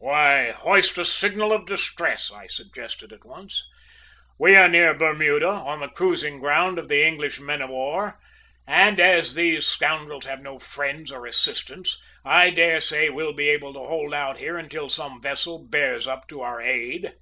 "Why, hoist a signal of distress," I suggested at once. "We are near Bermuda, on the cruising ground of the English men of war; and as these scoundrels have no friends or assistance, I daresay we'll be able to hold out here until some vessel bears up to our aid!"